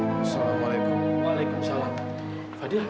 assalamualaikum waalaikumsalam fadil